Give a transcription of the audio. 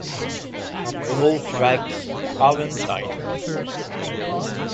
All tracks are untitled.